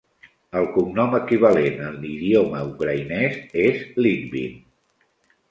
El cognom equivalent en idioma ucraïnès és Lytvyn.